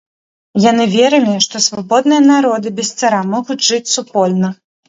Яны верылі, што свабодныя народы без цара могуць жыць супольна.